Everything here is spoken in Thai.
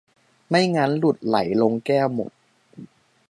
ไม่งั้นหลุดไหลลงแก้วหมด